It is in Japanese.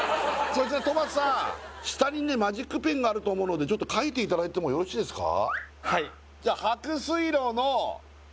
それじゃあ戸畑さん下にねマジックペンがあると思うのでちょっと書いていただいてもよろしいですか？